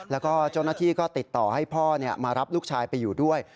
แล้วก็เจ้าหน้าที่ก็ติดต่อให้พ่อมารับลูกชายไปอยู่ด้วย